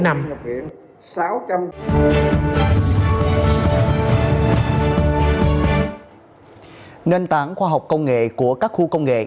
nền tảng khoa học công nghệ của các khu công nghệ